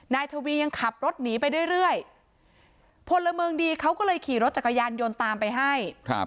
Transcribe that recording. นายทวียังขับรถหนีไปเรื่อยพลเมืองดีเขาก็เลยขี่รถจักรยานยนต์ตามไปให้